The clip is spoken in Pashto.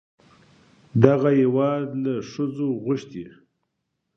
دغه هېواد له ښځو غوښتي